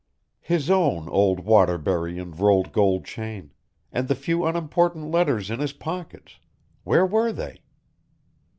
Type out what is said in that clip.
His own old Waterbury and rolled gold chain, and the few unimportant letters in his pockets where were they?